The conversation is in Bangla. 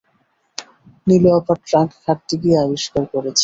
নীলু আপার ট্রাঙ্ক ঘাঁটতে গিয়ে আবিষ্কার করেছি।